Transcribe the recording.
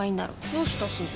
どうしたすず？